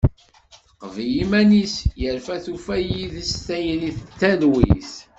Teqbel iman-is, yerna tufa yid-s tayri d talwit.